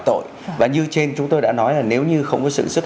tội và như trên chúng tôi đã nói là nếu như không có sự sức